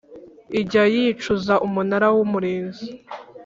ijya yicuza Umunara w Umurinzi